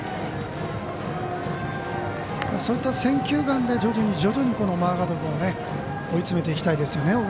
そういった選球眼で徐々に、このマーガード君を追い詰めていきたいですよね。